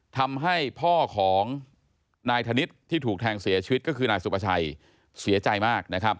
ทำให้พ่อของนายถนนิสต์ที่ถูกแทงเสียชีวิตคือหน้ายสุปไชยเสียใจมาก